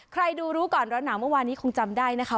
ใครดูรู้ก่อนร้อนหนาวเมื่อวานนี้คงจำได้นะคะ